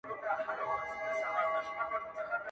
ستا تصويرونه به تر کله په دُسمال کي ساتم,